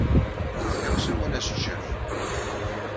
Medden akk semman-as Jeff.